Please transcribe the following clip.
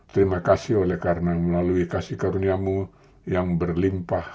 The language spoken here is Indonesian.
terima kasih oleh karunia mu yang berlimpah